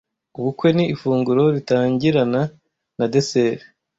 Ubukwe ni ifunguro ritangirana na dessert.